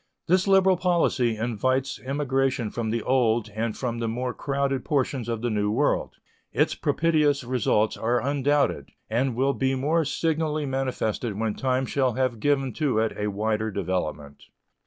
This liberal policy invites emigration from the Old and from the more crowded portions of the New World. Its propitious results are undoubted, and will be more signally manifested when time shall have given to it a wider development.